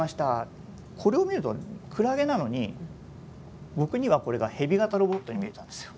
これを見るとクラゲなのに僕にはこれがヘビ型ロボットに見えたんですよ。